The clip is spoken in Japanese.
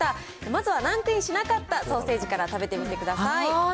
まずはランクインしなかったソーセージから食べてみてください。